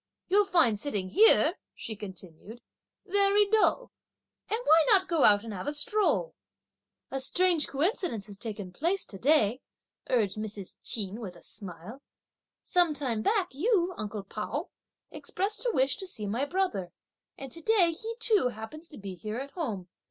You'll find sitting here," she continued, "very dull, and why not go out and have a stroll?" "A strange coincidence has taken place to day," urged Mrs. Ch'in, with a smile; "some time back you, uncle Pao, expressed a wish to see my brother, and to day he too happens to be here at home.